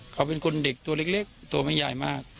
เขาเป็นคนเด็กตัวเล็กตัวไม่ใหญ่มาก